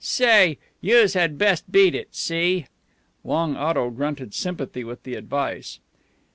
"Say! Youse had best beat it. See?" Long Otto grunted sympathy with the advice.